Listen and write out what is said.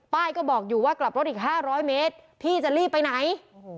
ก็บอกอยู่ว่ากลับรถอีก๕๐๐เมตรพี่จะรีบไปไหน